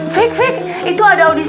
fik fik itu ada audisi